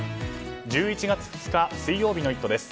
１１月２日水曜日の「イット！」です。